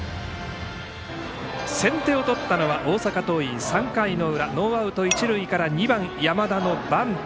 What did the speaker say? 先手を取ったのは大阪桐蔭３回の裏、ノーアウト、一塁から２番、山田のバント。